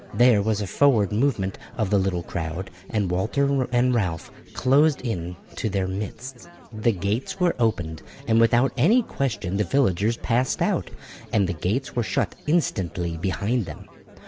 There was a forward movement of the little crowd, and Walter and Ralph closed in to their midst. The gates were opened, and without any question the villagers passed out, and the gates were shut instantly behind them.